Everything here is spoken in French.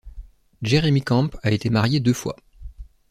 Jeremy Camp a été marié deux fois.